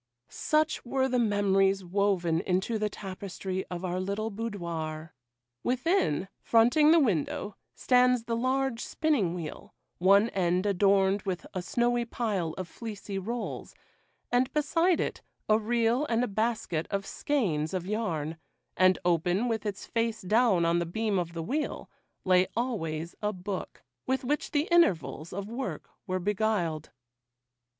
Such were the memories woven into the tapestry of our little boudoir. Within, fronting the window, stands the large spinning wheel, one end adorned with a snowy pile of fleecy rolls,—and beside it, a reel and a basket of skeins of yarn,—and open, with its face down on the beam of the wheel, lay always a book, with which the intervals of work were beguiled.